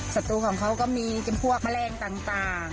ศัตรูของเขาก็มีจำพวกแมลงต่าง